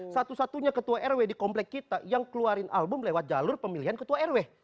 satu satunya ketua rw di komplek kita yang keluarin album lewat jalur pemilihan ketua rw